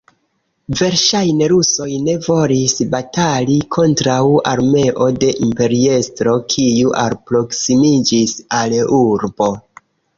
Verŝajne rusoj ne volis, batali kontraŭ armeo de imperiestro, kiu alproksimiĝis al urbo.